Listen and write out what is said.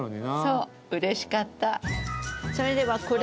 そう嬉しかった。